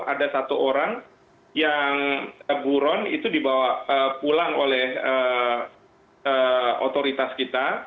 ada satu orang yang buron itu dibawa pulang oleh otoritas kita